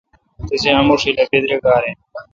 تسے°اموشیل اے°بیدرگََاراین۔